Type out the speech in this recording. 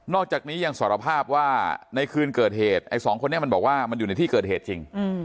อกจากนี้ยังสารภาพว่าในคืนเกิดเหตุไอ้สองคนนี้มันบอกว่ามันอยู่ในที่เกิดเหตุจริง